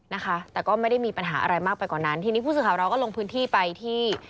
นะคะแต่ก็ไม่ได้มีปัญหาอะไรมากไปกว่านั้นทีนี้ผู้สื่อข่าวเราก็ลงพื้นที่ไปที่